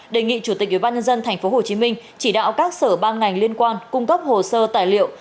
đề nghị chủ tịch ubnd tp hcm chỉ đạo các sở ban ngành liên quan cung cấp hồ sơ tài liệu